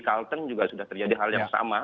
kalteng juga sudah terjadi hal yang sama